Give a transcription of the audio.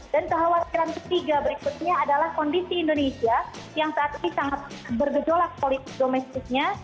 dan kekhawatiran ketiga berikutnya adalah kondisi indonesia yang saat ini sangat bergejolak politik domestiknya